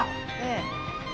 ええ。